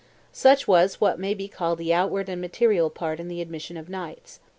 Such was what may be called the outward and material part in the admission of knights.